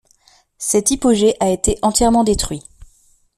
Cet hypogée a été entièrement détruit.